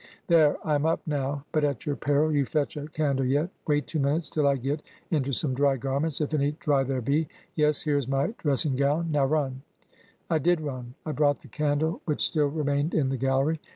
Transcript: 'There, I am up, now; but at your peril you fetch a candle yet: wait two minutes till I get into some dry garments, if any dry there be — ^yes, here is my dress ing gown; now run!' I did nm; I brought the candle which still remained in the gallery.